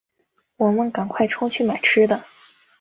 我们赶快冲去买吃的